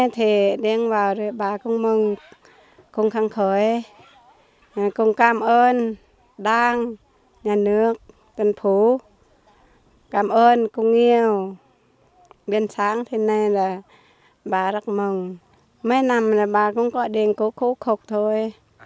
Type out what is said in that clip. thế nên là bà rất mừng mấy năm bà cũng có điện cứu khổ khục thôi